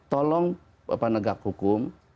tolong negara hukum